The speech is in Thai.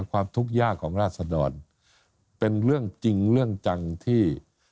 ความทุกข์ยากของราศดรเป็นเรื่องจริงเรื่องจังที่